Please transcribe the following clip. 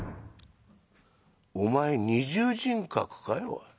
「お前二重人格かい。